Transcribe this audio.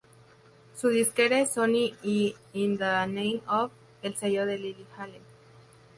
Su disquera es Sony y In the Name Of, el sello de Lily Allen.